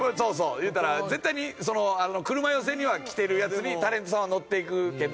言うたら絶対に車寄せには来てるやつにタレントさんは乗っていくけど。